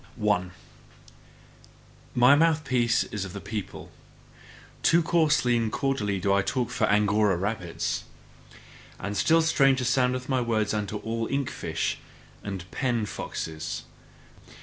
1. My mouthpiece is of the people: too coarsely and cordially do I talk for Angora rabbits. And still stranger soundeth my word unto all ink fish and pen foxes.